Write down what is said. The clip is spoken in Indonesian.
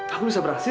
aku bisa berhasil